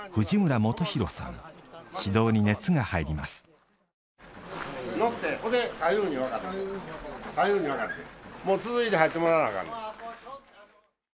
もう続いて入ってもらわなあかんで。